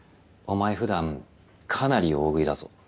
お前ふだんかなり大食いだぞ。